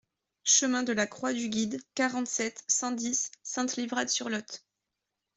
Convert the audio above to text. Chemin de le Croix du Guide, quarante-sept, cent dix Sainte-Livrade-sur-Lot